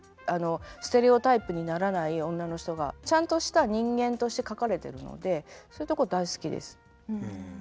ステレオタイプにならない女の人がちゃんとした人間として描かれてるのでそういうとこ大好きです。